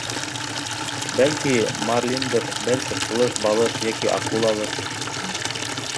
Бәлки, марлиндыр, бәлки, ҡылыс балыҡ йәки акулалыр.